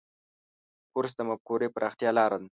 کورس د مفکورې پراختیا لاره ده.